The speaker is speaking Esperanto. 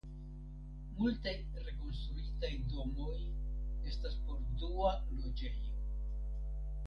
Multaj rekonstruitaj domoj estas por dua loĝejo.